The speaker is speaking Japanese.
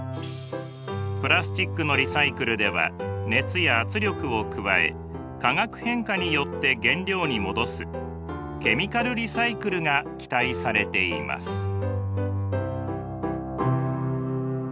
プラスチックのリサイクルでは熱や圧力を加え化学変化によって原料に戻すケミカルリサイクルが期待されています。